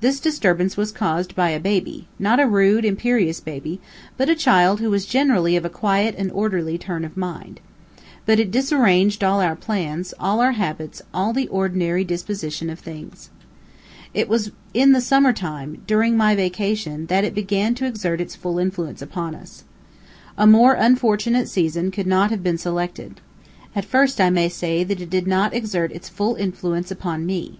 This disturbance was caused by a baby, not a rude, imperious baby, but a child who was generally of a quiet and orderly turn of mind. But it disarranged all our plans; all our habits; all the ordinary disposition of things. It was in the summer time, during my vacation, that it began to exert its full influence upon us. A more unfortunate season could not have been selected. At first, I may say that it did not exert its full influence upon me.